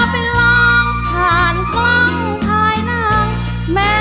นางเดาเรืองหรือนางแววเดาสิ้นสดหมดสาวกลายเป็นขาวกลับมา